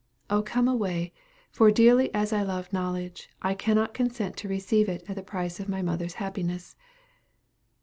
O come away for dearly as I love knowledge, I cannot consent to receive it at the price of my mother's happiness.'